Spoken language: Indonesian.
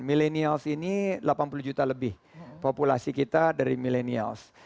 milenial sini delapan puluh juta lebih populasi kita dari milenial